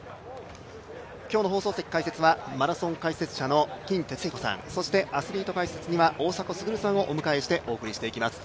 今日の放送席解説はマラソン解説者の金哲彦さんそしてアスリート解説には大迫傑さんをお迎えしてお伝えしていきます。